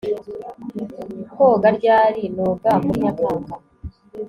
Koga ryari Noga muri Nyakanga